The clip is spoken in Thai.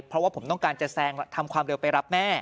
เพราะว่าผมต้องการจะแซงทำความเร็วไปรับแม่